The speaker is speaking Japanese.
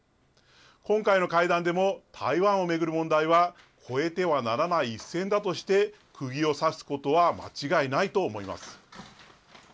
今回の会談でも、台湾を巡る問題は、越えてはならない一線だとして、くぎを刺すことは間違いないと思います。